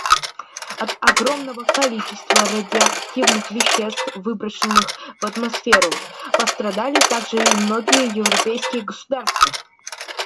От огромного количества радиоактивных веществ, выброшенных в атмосферу, пострадали также и многие европейские государства.